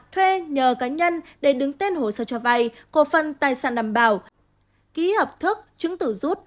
thuê nhờ cá nhân để đứng tên hồ sơ cho vai cổ phân tài sản đảm bảo ký hợp thức chứng tử rút